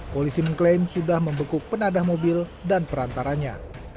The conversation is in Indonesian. polisi mengklaim sudah membekuk penadah mobil dan perantaranya